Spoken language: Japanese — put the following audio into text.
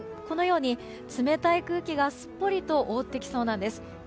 このように冷たい空気がすっぽりと覆ってきそうなんです。